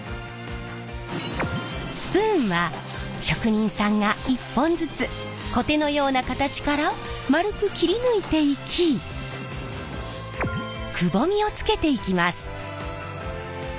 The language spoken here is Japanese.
スプーンは職人さんが一本ずつコテのような形から丸く切り抜いていきくぼみをつけていきます。